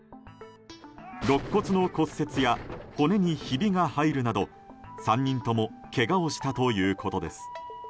肋骨の骨折や骨にひびが入るなど３人ともけがをしたということです。